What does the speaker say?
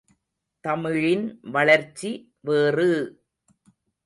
தமிழின் வளர்ச்சி வேறு!